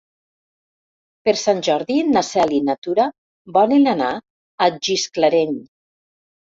Per Sant Jordi na Cel i na Tura volen anar a Gisclareny.